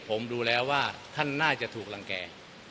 ผมดูแล้วว่าท่านน่าจะถูกรังแก่